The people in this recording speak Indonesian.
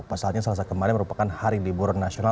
pasalnya selasa kemarin merupakan hari liburan nasional